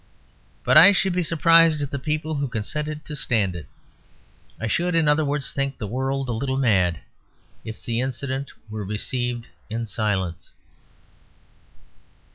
But I should be surprised at the people who consented to stand it. I should, in other words, think the world a little mad if the incident, were received in silence.